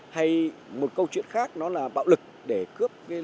hay một câu chuyện khác nó là bạo lực